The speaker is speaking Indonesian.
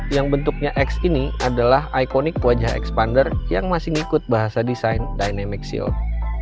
yang bentuknya x ini adalah ikonik wajah expander yang masih ngikut bahasa desain dynamic shield